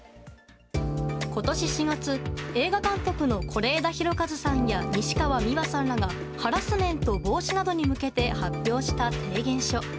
今年４月、映画監督の是枝裕和さんや西川美和さんらがハラスメント防止などに向けて発表した提言書。